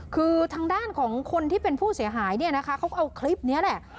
คือทางด้านของคนที่เป็นผู้เสียหายเนี่ยนะคะเขาก็เอาคลิปนี้แหละ